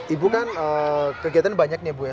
ibu kan kegiatan banyak nih